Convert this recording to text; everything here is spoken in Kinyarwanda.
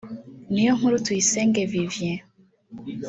Niyonkuru Tuyisenge Vivien